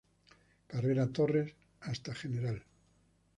Carrera Torres, hasta Gral.